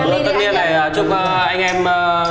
lúc tất niên này chúc anh em